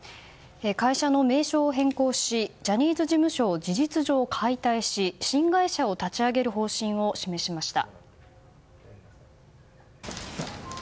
会社の名称を変更しジャニーズ事務所を事実上解体し新会社を立ち上げる方針を示しました。